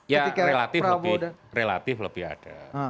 ya relatif lebih adem